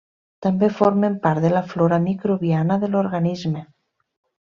També formen part de la flora microbiana de l'organisme.